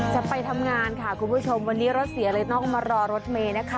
จะไปทำงานค่ะคุณผู้ชมวันนี้รถเสียเลยต้องมารอรถเมย์นะคะ